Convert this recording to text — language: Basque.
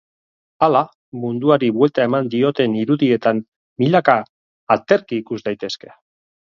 Hala, munduari buelta eman dioten irudietan milaka aterki ikus daitezke.